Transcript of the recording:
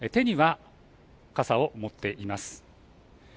ただ手には傘を持っています。